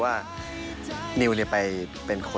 เมื่อวานเราเจอกันไปแล้ว